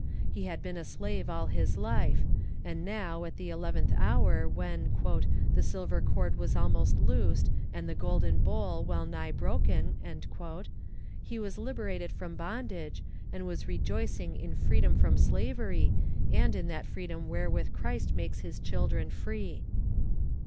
He had been a slave all his life, and now, at the eleventh hour, when "the silver cord was almost loosed, and the golden bowl well nigh broken," he was liberated from bondage, and was rejoicing in freedom from slavery, and in that freedom wherewith Christ makes His children free.